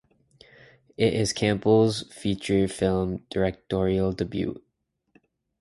It is Campbell's feature film directorial debut.